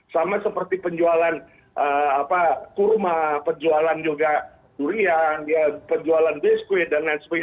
sama seperti penjualan kurma penjualan juga durian penjualan biskuit dan lain sebagainya